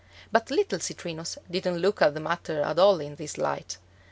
But little Citrinus didn't look at the matter at all in this light.